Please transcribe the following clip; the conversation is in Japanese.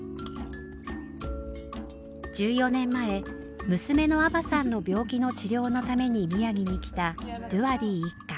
１４年前娘のアバさんの病気の治療のために宮城に来たドゥワディ一家。